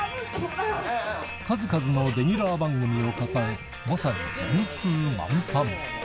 数々のレギュラー番組を抱え、まさに順風満帆。